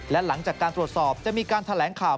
และหลังจากการตรวจสอบจะมีการแถลงข่าว